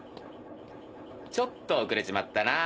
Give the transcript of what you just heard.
ちょっと遅れちまったなぁ。